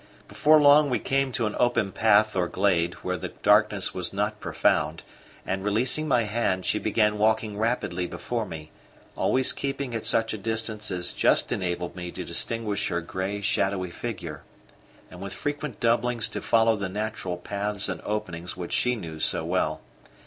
Before long we came to an open path or glade, where the darkness was not profound; and releasing my hand, she began walking rapidly before me, always keeping at such a distance as just enabled me to distinguish her grey, shadowy figure, and with frequent doublings to follow the natural paths and openings which she knew so well.